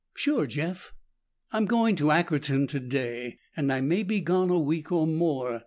"Sure, Jeff." "I'm going to Ackerton today and I may be gone a week or more.